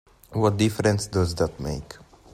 What difference does that make?